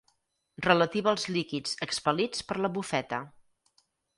Relativa als líquids expel·lits per la bufeta.